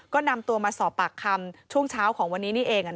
ก็นำตัวมาสอบปากคำช่วงเช้าของวันนี้นี่เอง